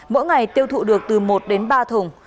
mỗi ngày tiêu thụ được từ một đến ba thùng